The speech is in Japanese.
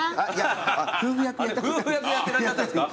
夫婦役やってらっしゃったんですか？